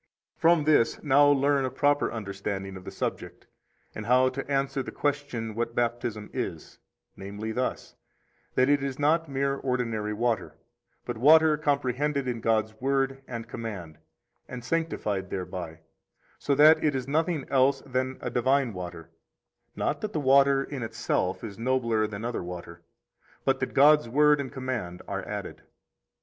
14 From this now learn a proper understanding of the subject, and how to answer the question what Baptism is, namely thus, that it is not mere ordinary water, but water comprehended in God's Word and command, and sanctified thereby, so that it is nothing else than a divine water; not that the water in itself is nobler than other water, but that God's Word and command are added.